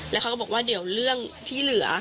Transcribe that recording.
แล้วเขาก็บอกว่าเดี๋ยวเรื่องที่เหลือ